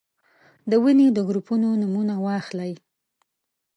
د وینې د ګروپونو نومونه واخلئ.